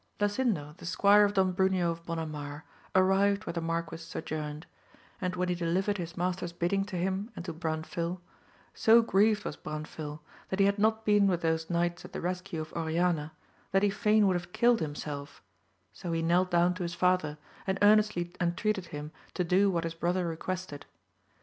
|ASIND0 the squire of Don Bruneo of Bona mar arrived where the marquis sojourned ; and when he delivered his master's bidding to him and to Branfil, so grieved was Branfil that he bad not been with those knights at the rescue of Oriana, that he fain would have killed himself, so be knelt down to his father, and earnestly entreated him to do what his brother requested.